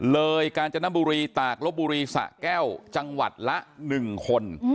กาญจนบุรีตากลบบุรีสะแก้วจังหวัดละ๑คน